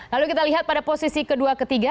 lalu kita lihat pada posisi kedua ketiga